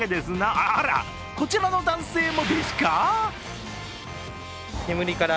あら、こちらの男性もですか？